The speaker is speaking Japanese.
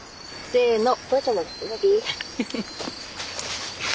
せの。